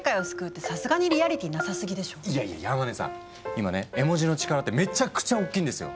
今ね絵文字の力ってめちゃくちゃ大きいんですよ。